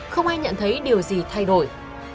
không ai nhận thấy điều gì thay đổi